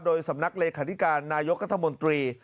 โดยสำนักเลขาธิการนายกรัฐมนตรี